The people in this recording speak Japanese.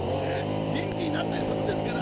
元気になったりするんですから。